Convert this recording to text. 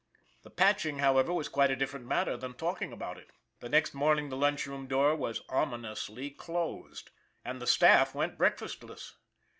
The patching, however, was quite a different matter than talking about it. The next morning the lunch room door was omi nously closed and the staff went breakfastless.